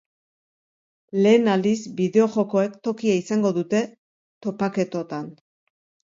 Lehen aldiz bideo-jokoek tokia izango dute topaketotan.